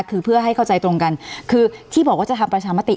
คือเพื่อให้เข้าใจตรงกันคือที่บอกว่าจะทำประชามติ